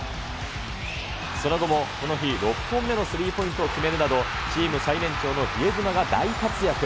その後もこの日、６本目のスリーポイントを決めるなど、チーム最年長の比江島が大活躍。